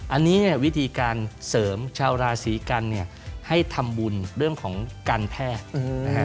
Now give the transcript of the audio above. อันนี้วิธีการเสริมชาวราศรีกันให้ทำบุญเรื่องของการแพทย์